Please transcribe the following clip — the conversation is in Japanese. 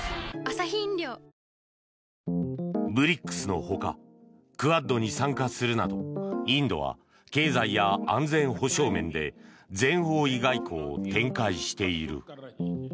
ＢＲＩＣＳのほかクアッドに参加するなどインドは経済や安全保障面で全方位外交を展開している。